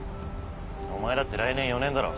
お前だって来年４年だろ？